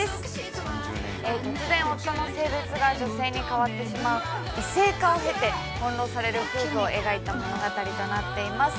突然、夫の性別が女性に変わってしまう異性化に翻弄される夫婦を描いた物語です。